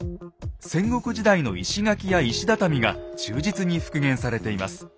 戦国時代の石垣や石畳が忠実に復元されています。